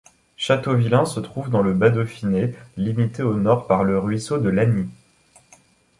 Châteauvilain se trouve dans le Bas-Dauphiné, limité au nord par le ruisseau de l'Agny.